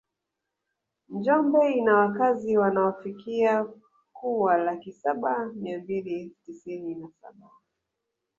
Njombe ina wakazi wanaofikia kuwa laki saba mia mbili tisini na saba